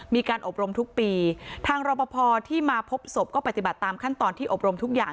มีการอบรมทุกปีทางรอปภที่มาพบศพก็ปฏิบัติตามขั้นตอนที่อบรมทุกอย่าง